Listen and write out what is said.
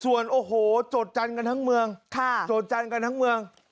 ส่วนโอ้โหโจรจรรย์กันทั้งเมือง